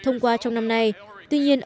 thông qua trong năm nay tuy nhiên